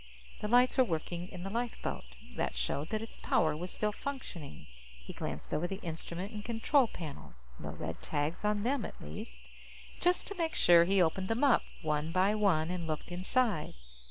The lights were working in the lifeboat. That showed that its power was still functioning. He glanced over the instrument and control panels. No red tags on them, at least. Just to make sure, he opened them up, one by one, and looked inside.